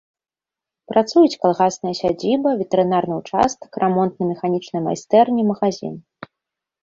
Працуюць калгасная сядзіба, ветэрынарны ўчастак, рамонтна-механічныя майстэрні, магазін.